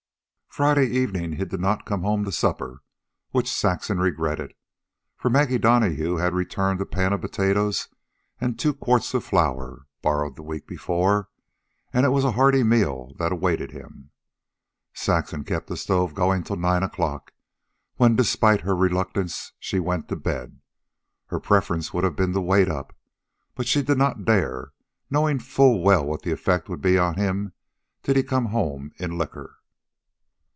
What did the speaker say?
Friday evening he did not come home to supper, which Saxon regretted, for Maggie Donahue had returned a pan of potatoes and two quarts of flour (borrowed the week before), and it was a hearty meal that awaited him. Saxon kept the stove going till nine o'clock, when, despite her reluctance, she went to bed. Her preference would have been to wait up, but she did not dare, knowing full well what the effect would be on him did he come home in liquor.